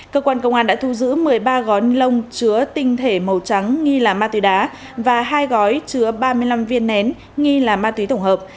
cơ quan công an đã thu giữ một mươi ba gói lông chứa tinh thể màu trắng nghi là ma túy đá và hai gói chứa ba mươi năm viên nén nghi là ma túy tổng hợp